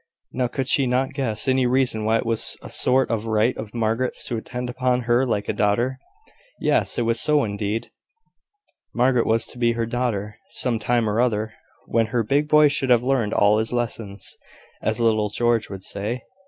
Now, could she not guess any reason why it was a sort of right of Margaret's to attend upon her like a daughter? Yes, it was so indeed! Margaret was to be her daughter some time or other, when her big boy should have learned all his lessons, as little George would say.